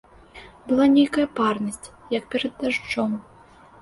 Была нейкая парнасць, як перад дажджом.